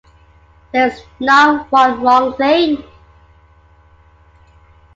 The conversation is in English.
There is not one wrong thing!